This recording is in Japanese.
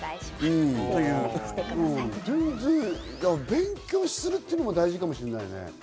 勉強するっていうのも大事かもしれないね。